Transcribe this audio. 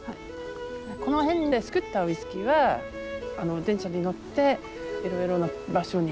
この辺で造ったウイスキーは電車に乗っていろいろな場所に運んで。